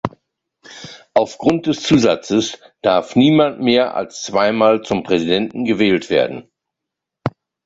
Aufgrund des Zusatzes darf niemand mehr als zweimal zum Präsidenten gewählt werden.